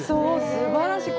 すばらしい。